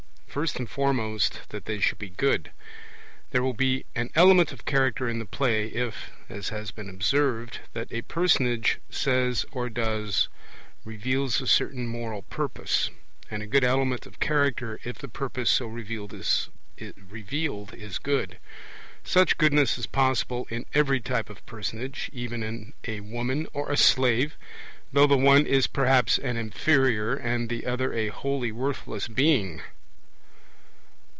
First and foremost, that they shall be good. There will be an element of character in the play, if (as has been observed) what a personage says or does reveals a certain moral purpose; and a good element of character, if the purpose so revealed is good. Such goodness is possible in every type of personage, even in a woman or a slave, though the one is perhaps an inferior, and the other a wholly worthless being.